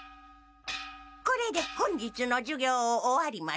これで本日の授業を終わります。